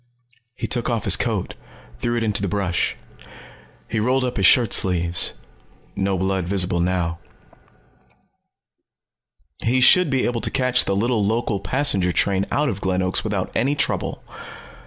He took off his coat, threw it into the brush. He rolled up his shirt sleeves. No blood visible now. He should be able to catch the little local passenger train out of Glen Oaks without any trouble.